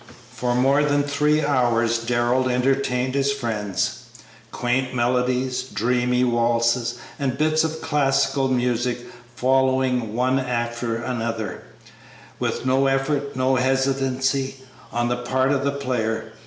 For more than three hours Darrell entertained his friends; quaint medleys, dreamy waltzes, and bits of classical music following one after another, with no effort, no hesitancy, on the part of the player.